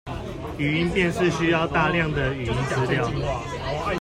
語音辨識需要大量的語音資料